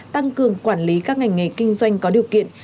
tăng cường quản lý các ngành nghề kinh doanh có điều kiện